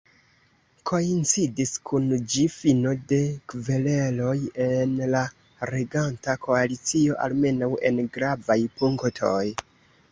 Koincidis kun ĝi fino de kvereloj en la reganta koalicio, almenaŭ en gravaj punktoj.